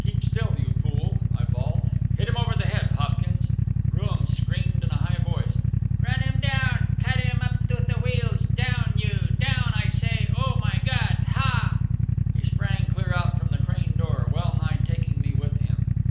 "Keep still, you fool!" I bawled. "Hit him over the head, Hopkins!" Rooum screamed in a high voice. "Run him down cut him up with the wheels down, you! down, I say! Oh, my God!... Ha!" He sprang clear out from the crane door, well nigh taking me with him.